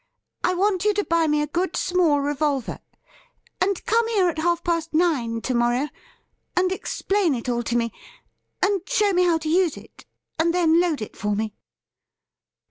I want you to buy me a good, small revolver, and come here at half past nine to morrow, and explain it all to me, and show me how to use it, and then load it for me.'